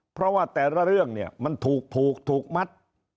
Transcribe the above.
เพราะว่าแต่ละเรื่องเนี่ยมันถูกผูกถูกมัด